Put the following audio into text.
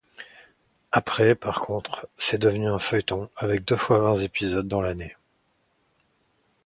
Après par contre, c’est devenu un feuilleton avec deux fois vingt épisodes dans l’année.